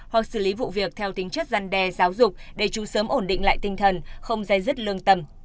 hoặc xử lý vụ việc theo tính chất gian đe giáo dục để chú sớm ổn định lại tinh thần không dây dứt lương tâm